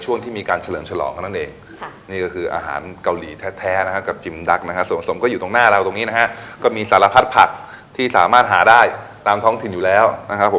หน้าเรามีแสระพาดผักที่สามารถหาได้ตามท้องทิมอยู่แล้วนะครับ